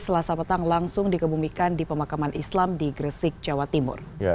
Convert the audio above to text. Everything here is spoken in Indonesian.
selasa petang langsung dikebumikan di pemakaman islam di gresik jawa timur